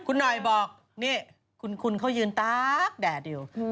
คุณหน่อยบอกนี่คุณเขายืนตากแดดอยู่